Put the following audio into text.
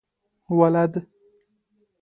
ولد؟